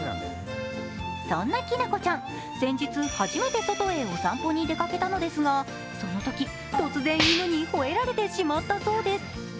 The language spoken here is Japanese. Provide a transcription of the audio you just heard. そんなきなこちゃん、先日初めて外へお散歩へ出かけたのですが、そのとき、突然、犬にほえられてしまったそうです。